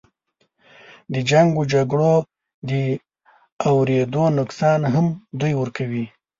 د جنګ و جګړو د اودرېدو نقصان هم دوی ورکوي.